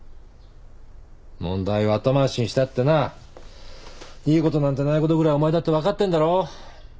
問題を後回しにしたってないいことなんてないことぐらいお前だって分かってんだろ？